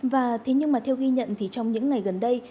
và thế nhưng mà theo ghi nhận thì trong những ngày gần đây